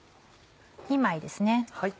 ２枚ですね。